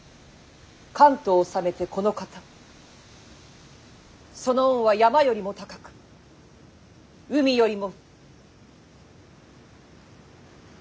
関東を治めてこのかたその恩は山よりも高く海よりも」。